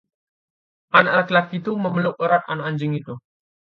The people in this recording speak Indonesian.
Anak laki-laki itu memeluk erat anak anjing itu.